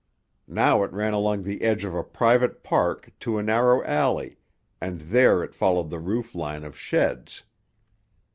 Now it ran along the edge of a private park to a narrow alley, and there it followed the roof line of sheds.